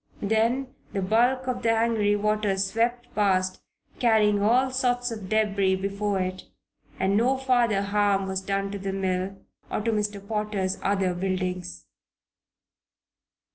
Then the bulk of the angry waters swept past, carrying all sorts of debris before it, and no farther harm was done to the mill, or to Mr. Potter's other buildings.